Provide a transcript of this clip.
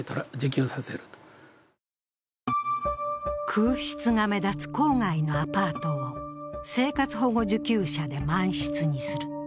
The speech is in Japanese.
空室が目立つ郊外のアパートを生活保護受給者で満室にする。